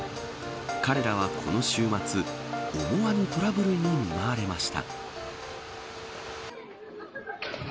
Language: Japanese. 彼らは、この週末思わぬトラブルに見舞われました。